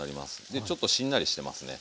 ちょっとしんなりしてますね。